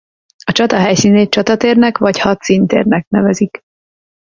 A csata helyszínét csatatérnek vagy hadszíntérnek nevezik.